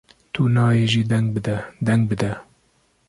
Tu nayê jî deng bide! deng bide!